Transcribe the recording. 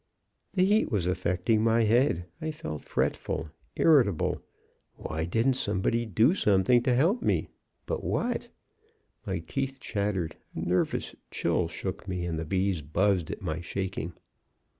"The heat was affecting my head. I felt fretful, irritable. Why didn't somebody do something to help me? But what? My teeth chattered, a nervous chill shook me, and the bees buzzed at my shaking.